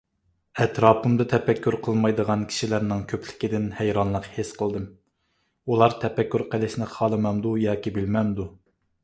ئەتراپىمدا تەپەككۇر قىلمايدىغان كىشىلەرنىڭ كۆپلۈكىدىن ھەيرانلىق ھېس قىلدىم. ئۇلار تەپەككۇر قىلىشنى خالىمامدۇ ياكى بىلمەمدۇ؟